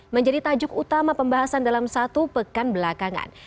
menjadi tajuk utama pembahasan dalam satu pekan belakangan